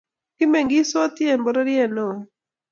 Kimeng'isoti eng bororiet neoo.